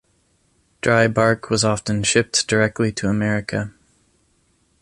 Dry bark was often shipped directly to America.